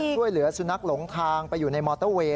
ช่วยเหลือสุนัขหลงทางไปอยู่ในมอเตอร์เวย